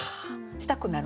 したくなる？